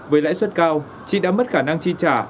với lãi suất cao chị đã mất khả năng chi trả